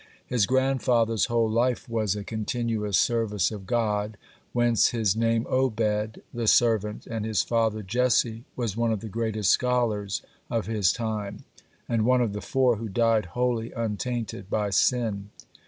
His grandfather's whole life was a continuous service of God, (5) whence his name Obed, "the servant," and his father Jesse was one of the greatest scholars of his time, (6) and one of the four who died wholly untainted by sin.